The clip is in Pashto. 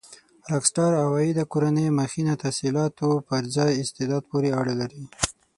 راک سټار عوایده کورنۍ مخینه تحصيلاتو پر ځای استعداد پورې اړه لري.